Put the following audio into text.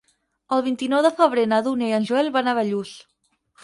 El vint-i-nou de febrer na Dúnia i en Joel van a Bellús.